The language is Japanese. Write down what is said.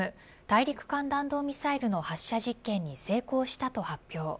大陸間弾道ミサイルの発射実験に成功したと発表。